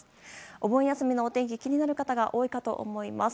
お盆休みのお天気気になる方が多いかと思います。